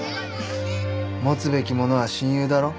持つべきものは親友だろ？